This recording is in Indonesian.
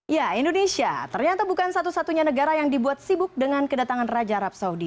ya indonesia ternyata bukan satu satunya negara yang dibuat sibuk dengan kedatangan raja arab saudi